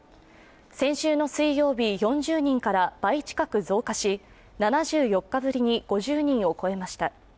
先週の水曜日、４０人から倍近く増加し、７４日ぶりに５０人を超えました。